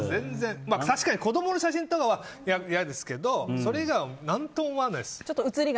確かに子供の写真とかは嫌ですけどそれ以外は何とも思わないです。